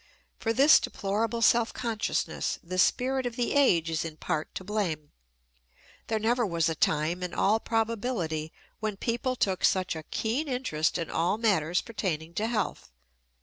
For this deplorable self consciousness the spirit of the age is in part to blame; there never was a time, in all probability, when people took such a keen interest in all matters pertaining to health.